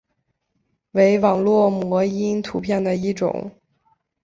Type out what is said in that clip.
为网络模因图片的一种。